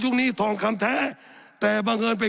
สับขาหลอกกันไปสับขาหลอกกันไป